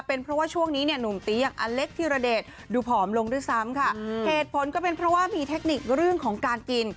เป็นเพราะว่าช่วงนี้เนี่ยหนุ่มเตี๊ยกอเล็กธิระเดชดูผอมลงด้วยซ้ำค่ะเหตุผลก็เป็นเพราะว่ามีเทคนิคเรื่องของการกิน